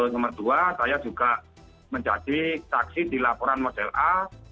nomor dua saya juga menjadi saksi di laporan model a